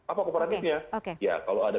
apa kooperatifnya ya kalau ada